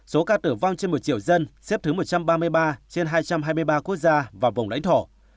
số ca tử vong trên một triệu dân xếp thứ một trăm ba mươi ba trên hai trăm hai mươi ba quốc gia và vùng lãnh thổ